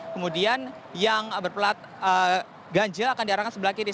kemudian yang berpelat ganjil akan diarahkan sebelah kiri